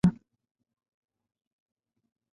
তখন তোমাকে দেখতে মাগীর মতো লাগত না।